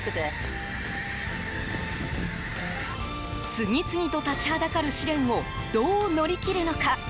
次々と立ちはだかる試練をどう乗り切るのか。